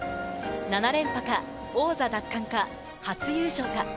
７連覇か、王座奪還か、初優勝か。